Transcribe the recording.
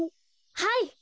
はい。